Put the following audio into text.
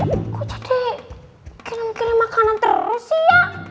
eh kok jadi kirim kirim makanan terus sih ya